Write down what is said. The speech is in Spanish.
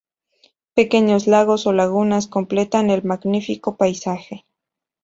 Pequeños lagos o lagunas completan el magnífico paisaje.